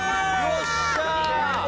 よっしゃあ！